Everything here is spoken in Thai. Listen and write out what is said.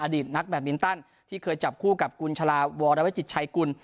อดีตนักแบตมินตันที่เคยจับคู่กับกุญชลาวรวิจิตชัยกุล